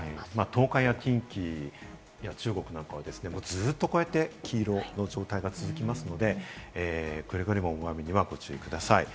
東海や近畿中国なども、ずっとこうやって黄色の状態が続きますので、くれぐれも大雨にはご注意ください。